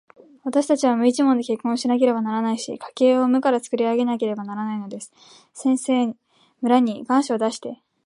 わたしたちは無一文で結婚しなければならないし、家計を無からつくり上げなければならないのです。先生、村に願書を出して、